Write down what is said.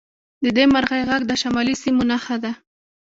د دې مرغۍ غږ د شمالي سیمو نښه ده